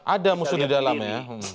ada musuh di dalam ya